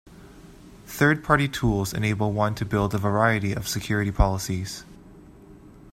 Third-party tools enable one to build a variety of security policies.